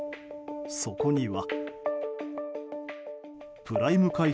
そこには。